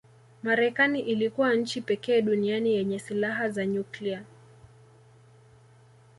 Marekani ilikuwa nchi pekee duniani yenye silaha za nyuklia